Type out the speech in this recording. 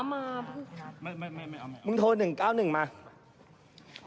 เพราะเหตุผลอะไรถึงไม่ล้างแผลกู